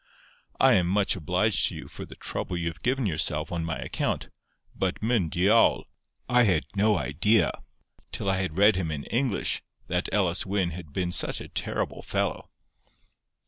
I am much obliged to you for the trouble you have given yourself on my account—but myn Diawl! I had no idea, till I had read him in English, that Elis Wyn had been such a terrible fellow."